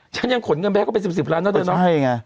ฉันยังขนเงินแพ้เข้าไป๑๐ร้านเท่าไหร่เนอะ